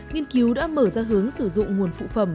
nghiên cứu đã mở ra hướng sử dụng nguồn phụ phẩm